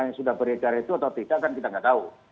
yang sudah beredar itu atau tidak kan kita nggak tahu